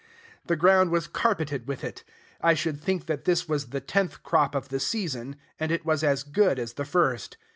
The ground was carpeted with it. I should think that this was the tenth crop of the season; and it was as good as the first.